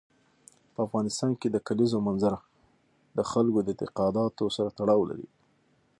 په افغانستان کې د کلیزو منظره د خلکو د اعتقاداتو سره تړاو لري.